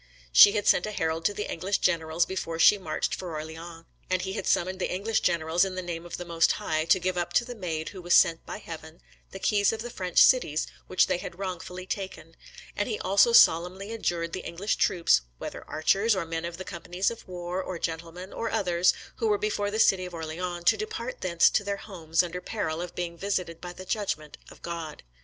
She had sent a herald to the English generals before she marched for Orleans; and he had summoned the English generals in the name of the Most High to give up to the Maid who was sent by Heaven, the keys of the French cities which they had wrongfully taken: and he also solemnly adjured the English troops, whether archers, or men of the companies of war, or gentlemen, or others, who were before the city of Orleans, to depart thence to their homes, under peril of being visited by the judgment of God.